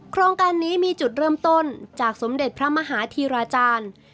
โครงการนี้มีจุดเริ่มต้นจากสมเด็จพระมหาธีราจารย์